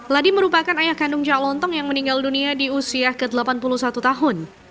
ladi merupakan ayah kandung cak lontong yang meninggal dunia di usia ke delapan puluh satu tahun